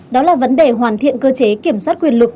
đó là vấn đề hoàn thiện cơ chế kiểm soát quyền lực